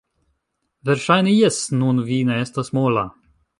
Verŝajne jes... nun vi ne estas mola